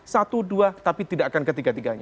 satu dua tapi tidak akan ketiga tiganya